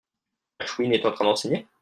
Ashwin est en train d'enseigner ?